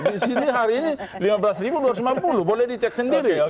di sini hari ini lima belas dua ratus enam puluh boleh dicek sendiri